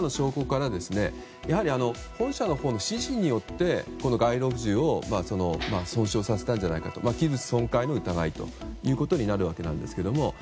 その中の証拠から本社のほうの指示によって街路樹を損傷させたんじゃないかと器物損壊の疑いということになるわけなんですけれども。